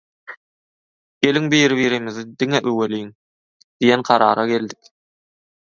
geliň biri-birimizi diňe öweliň“ diýen karara geldik.